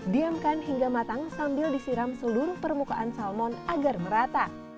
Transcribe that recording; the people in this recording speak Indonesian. diamkan hingga matang sambil disiram seluruh permukaan salmon agar merata